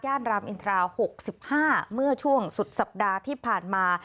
รามอินทรา๖๕เมื่อช่วงสุดสัปดาห์ที่ผ่านมา